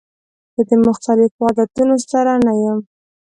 زه د مختلفو عادتونو سره نه یم.